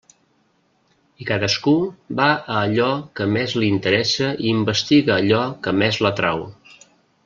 I cadascú va a allò que més li interessa i investiga allò que més l'atrau.